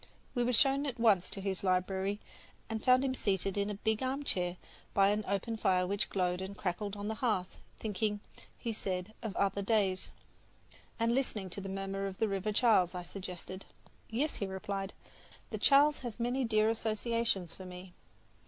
We were shown at once to his library where we found him seated in a big armchair by an open fire which glowed and crackled on the hearth, thinking, he said, of other days. "And listening to the murmur of the River Charles," I suggested. "Yes," he replied, "the Charles has many dear associations for me."